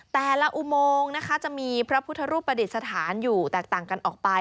แต่ละอุโมงนะคะจะมีพระพุทธรูปประดิษฐานอยู่แตกต่างกันออกไป